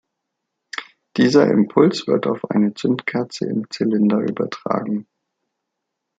Dieser Impuls wird auf eine Zündkerze im Zylinder übertragen.